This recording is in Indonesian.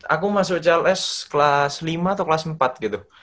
aku masuk cls kelas lima atau kelas empat gitu